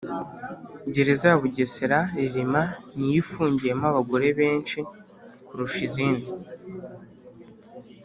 Gereza ya Bugesera Rilima niyo ifugiyemo abagore besnhi kurusha izindi